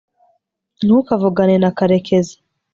ntukavugane na karekezi